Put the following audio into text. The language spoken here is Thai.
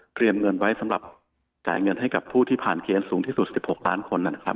เงินไว้สำหรับจ่ายเงินให้กับผู้ที่ผ่านเกณฑ์สูงที่สุด๑๖ล้านคนนะครับ